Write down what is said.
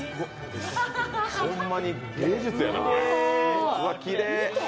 ホンマに芸術やな、これ。